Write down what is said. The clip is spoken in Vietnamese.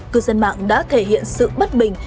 cư dân mạng đã thể hiện sự bất bình